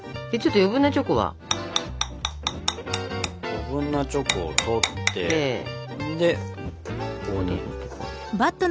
余分なチョコを取ってでここに出して。